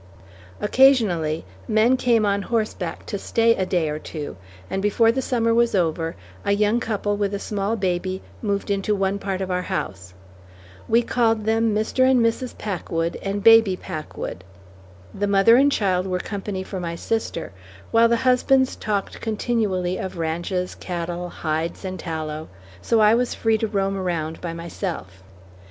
Occasionally, men came on horseback to stay a day or two, and before the summer was over, a young couple with a small baby moved into one part of our house. We called them Mr. and Mrs. Packwood and Baby Packwood. The mother and child were company for my sister, while the husbands talked continually of ranches, cattle, hides, and tallow, so I was free to roam around by myself.